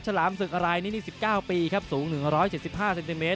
ฉลามศึกอร่ายนี้๑๙ปีครับสูง๑๗๕เซนติเมตร